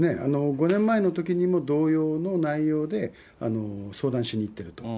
５年前のときにも同様の内容で相談しに行ってると。